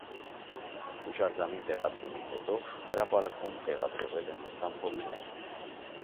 Հուշարձանի տեղադրումից հետո հրապարակում տեղադրվել են լուսամփոփներ։